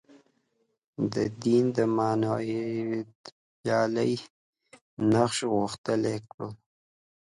د دین معنویتپالی نقش غښتلی کړو.